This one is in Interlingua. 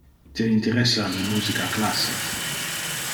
Te interessa le musica classic?